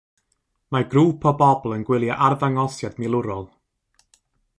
Mae grŵp o bobl yn gwylio arddangosiad milwrol.